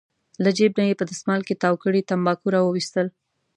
له جېب نه یې په دستمال کې تاو کړي تنباکو راوویستل.